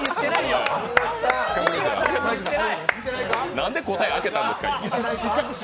なんで答え、開けたんですか？